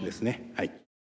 はい。